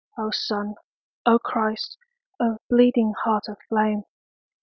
O Sun, O Christ, O bleeding Heart of flame!